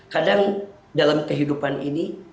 kadang dalam kehidupan ini